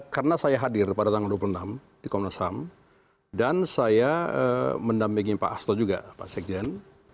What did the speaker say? karena saya hadir pada tanggal dua puluh enam di komnas ham dan saya mendampingi pak asto juga pak sekjen